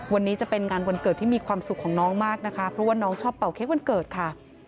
วันนี้จะเป็นงานวันเกิดที่มีความสุขของน้องมากนะคะเพราะว่าน้องชอบเป่าเค้กวันเกิดค่ะ